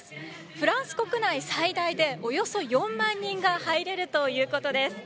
フランス国内最大でおよそ４万人が入れるということです。